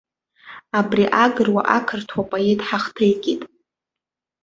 Абри агыруа-ақырҭуа поет ҳахҭеикит.